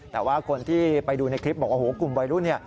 แต่ว่าคนที่ไปดูในคลิปบอกว่ากลุ่มวัยรุ่น